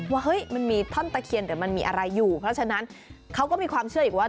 เฮ้ยมันมีท่อนตะเคียนแต่มันมีอะไรอยู่เพราะฉะนั้นเขาก็มีความเชื่ออีกว่า